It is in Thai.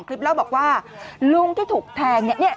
แล้วบอกว่าลุงที่ถูกแทงเนี่ย